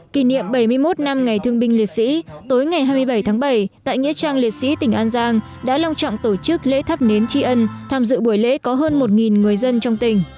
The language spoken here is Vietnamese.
kỷ niệm bảy mươi một năm ngày thương binh liệt sĩ tối ngày hai mươi bảy tháng bảy tại nghĩa trang liệt sĩ tỉnh an giang đã long trọng tổ chức lễ thắp nến tri ân tham dự buổi lễ có hơn một người dân trong tỉnh